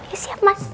oh siap mas